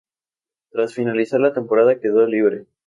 Tras finalizar la temporada quedó libre.